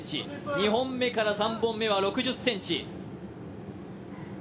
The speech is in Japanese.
２本目から３本目は６０ｃｍ。